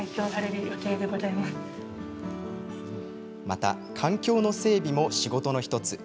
また、環境の整備も仕事の１つ。